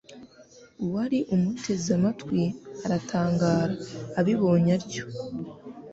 uwari umuteze amatwi aratangara. Abibonye atyo,